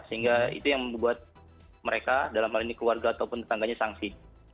sehingga itu yang membuat mereka dalam hal ini keluarga ataupun tetangganya sangsi